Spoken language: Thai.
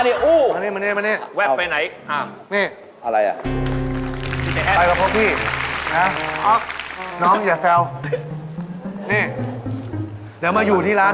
เด็กเรียนพี่ก็ไม่ได้กลับบ้านเลย